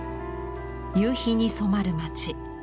夕日に染まる町。